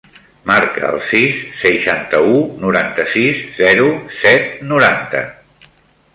Marca el sis, seixanta-u, noranta-sis, zero, set, noranta.